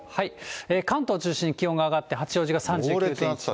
関東中心に気温が上がって八王子が３９．１度。